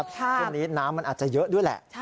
ช่วงนี้น้ำมันอาจจะเยอะด้วยแหละ